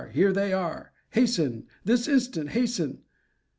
Here they are! Hasten! This instant! hasten!